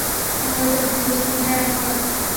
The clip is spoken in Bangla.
জসভিন্দর সিং হ্যাঁঁ, স্যার।